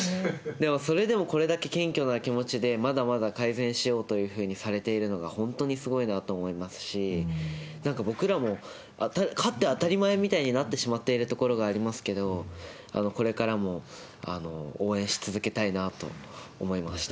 でも、それでもこれだけ謙虚な気持ちで、まだまだ改善しようというふうにされているのが、本当にすごいなと思いますし、なんか、僕らも勝って当たり前みたいになってしまっているところがありますけれども、これからも応援し続けたいなと思いました。